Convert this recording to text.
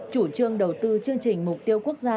chủ trương đầu tư chương trình mục tiêu quốc gia